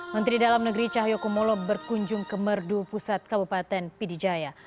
menteri dalam negeri cahyokumolo berkunjung ke merdu pusat kabupaten pidijaya